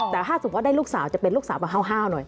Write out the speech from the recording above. แต่ถ้าสมมุติว่าได้ลูกสาวจะเป็นลูกสาวแบบห้าวหน่อย